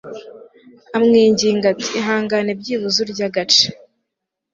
amwinginga ati Ihangane byibuze urye agace